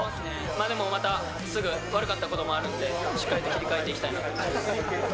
でもまた、すぐ、悪かったこともあるんで、しっかりと切り替えていきたいなと。